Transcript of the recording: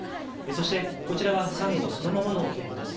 そして、こちらがサンゴそのものの置物です。